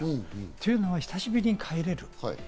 というのは久しぶりに帰れる。